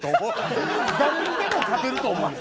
誰にでも勝てると思うねん。